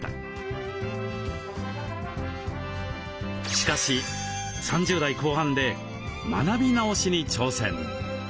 しかし３０代後半で学び直しに挑戦。